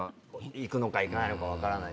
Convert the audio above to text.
行くのか行かないのか分からないですけど。